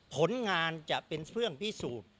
ผลงานจะเป็นเครื่องพิสูจน์